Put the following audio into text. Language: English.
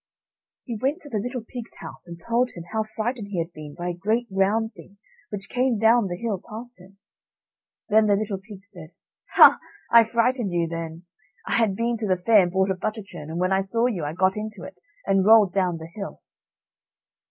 He went to the little pig's house, and told him how frightened he had been by a great round thing which came down the hill past him. Then the little pig said: "Hah, I frightened you, then. I had been to the fair and bought a butter churn, and when I saw you, I got into it, and rolled down the hill."